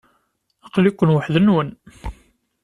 Aqli-ken weḥd-nwen?